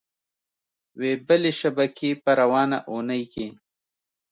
وې بلې شبکې په روانه اونۍ کې